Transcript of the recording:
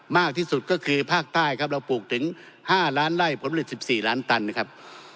มากที่สุดก็คือภาคใต้ครับเราปลูกถึง๕ล้านไล่ผลผลิต๑๔ล้านตันนะครับ